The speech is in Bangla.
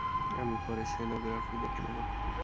আমি পরে সোনোগ্রাফি দেখে নেব।